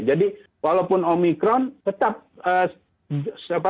jadi walaupun omikron tetap